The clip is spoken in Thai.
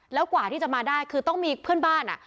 แล้วกว่าที่จะมาได้คือต้องมีเพื่อนบ้าน